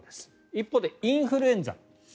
一方でインフルエンザ。